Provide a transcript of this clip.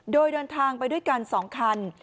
โดยเดินทางไปด้วยกัน๒คัน